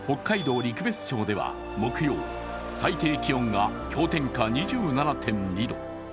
陸別町では木曜最低気温が氷点下２７．２度。